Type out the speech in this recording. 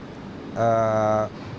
teman teman kontras itu dulu